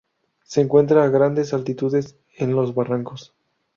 Se encuentra a grandes altitudes en los barrancos.